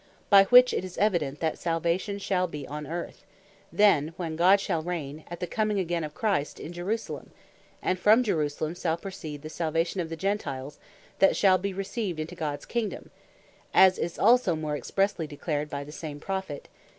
By which it is evident, that Salvation shall be on Earth, then, when God shall reign, (at the coming again of Christ) in Jerusalem; and from Jerusalem shall proceed the Salvation of the Gentiles that shall be received into Gods Kingdome; as is also more expressely declared by the same Prophet, Chap.